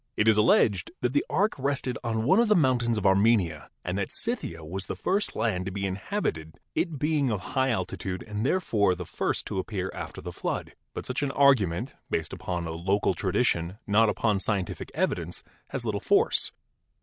It is alleged that the ark rested on one of the mountains of Armenia and that Scythia was the first land to be inhabited, it being of high altitude and therefore the first to appear after the flood. But such an argument, based upon a local tradition, not upon scientific evidence, has little force.